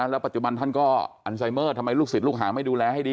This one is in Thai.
แล้วปัจจุบันท่านก็อันไซเมอร์ทำไมลูกศิษย์ลูกหาไม่ดูแลให้ดี